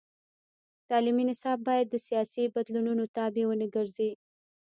تعلیمي نصاب باید د سیاسي بدلونونو تابع ونه ګرځي.